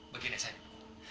begini saja ibu